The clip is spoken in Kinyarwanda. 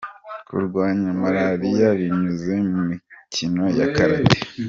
Kurwanya Malariya binyuze mu mikino ya Karate